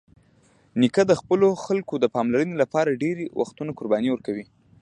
نیکه د خپلو خلکو د پاملرنې لپاره ډېری وختونه قرباني ورکوي.